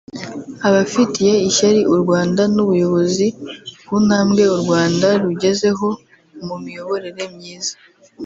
abafitiye ishyari u Rwanda n’ubuyobozi ku ntambwe u Rwanda rugezeho mu miyoborere myiza